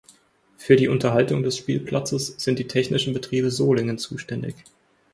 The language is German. Für die Unterhaltung des Spielplatzes sind die Technischen Betriebe Solingen zuständig.